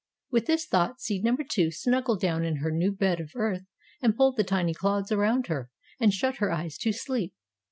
With this thought seed number Two snuggled down in her new bed of earth and pulled the tiny clods around her and shut her eyes to sleep.